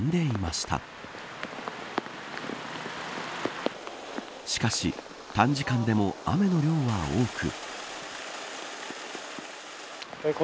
しかし、短時間でも雨の量は多く。